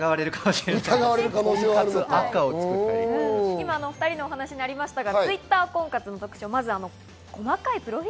今、２人のお話にありましたが、Ｔｗｉｔｔｅｒ婚活の特徴です。